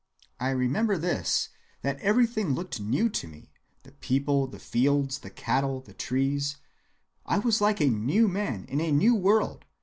I remember this, that everything looked new to me, the people, the fields, the cattle, the trees. I was like a new man in a new world.